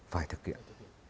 phải thực hiện